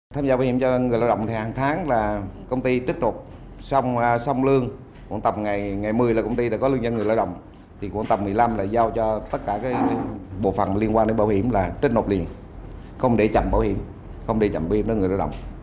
tham gia bảo hiểm cho người lao động hàng tháng là công ty trích nộp xong lương tầm ngày một mươi là công ty đã có lương nhân người lao động tầm một mươi năm là giao cho tất cả bộ phần liên quan đến bảo hiểm là trích nộp liền không để chậm bảo hiểm không để chậm bảo hiểm cho người lao động